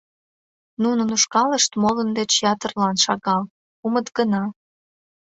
Нунын ушкалышт молын деч ятырлан шагал, кумыт гына.